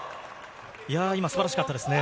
素晴らしかったですね。